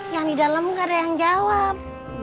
yang di dalam gak ada yang jawab